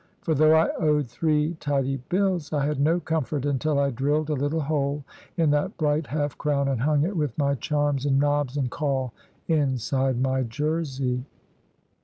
For though I owed three tidy bills, I had no comfort until I drilled a little hole in that bright half crown, and hung it with my charms and knobs and caul inside my Jersey.